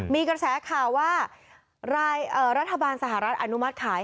มีกระแสข่าวว่ารัฐบาลสหรัฐอนุมัติขาย